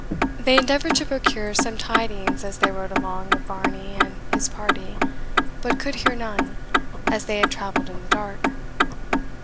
They endeavoured to procure some tidings as they rode along of Varney and his party, but could hear none, as they had travelled in the dark.